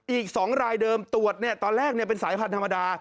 อีก๒รายเดิมตรวจเนี่ยตอนแรกเนี่ยเป็นสายพันธุ์ธรรมดา